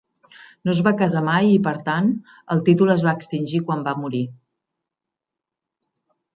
No es va casar mai i, per tant, el títol es va extingir quan va morir.